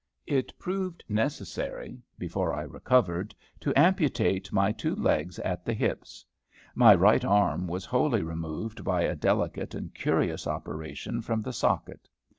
It proved necessary, before I recovered, to amputate my two legs at the hips. My right arm was wholly removed, by a delicate and curious operation, from the socket.